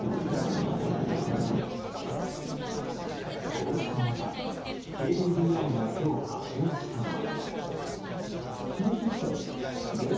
こうした中、ＫＤＤＩが今日発表したのは。